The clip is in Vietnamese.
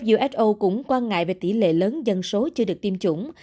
uso cũng quan ngại về tỷ lệ lớn dân số chưa được tiêm chủng